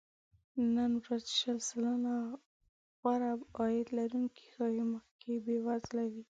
نن ورځ شل سلنه غوره عاید لرونکي ښايي مخکې بې وزله وي